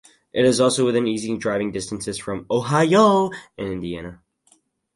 It is also within easy driving distances from Ohio and Indiana.